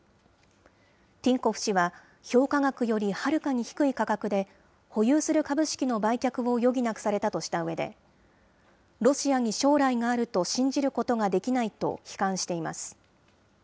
ティンコフ氏は評価額よりはるかに低い価格で、保有する株式の売却を余儀なくされたとしたうえで、ロシアに将来があると信じることができないと悲観しています。